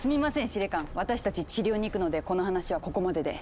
司令官私たち治療に行くのでこの話はここまでで。